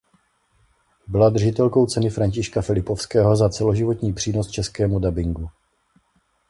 Byla držitelkou Ceny Františka Filipovského za celoživotní přínos českému dabingu.